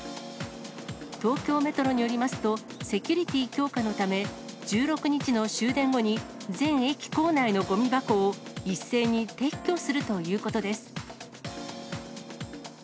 東京メトロによりますと、セキュリティー強化のため、１６日の終電後に、全駅構内のごみ箱を、一斉に撤去するということです。